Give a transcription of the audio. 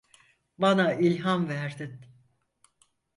Bana ilham verdin.